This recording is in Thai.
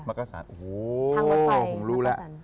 มันก็สั่นโอ้โหผมรู้แล้ว